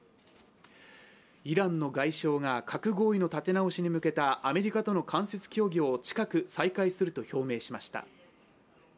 イランの外相が核合意の立て直しに向けたアメリカとの間接協議を近く再開すると表明しました。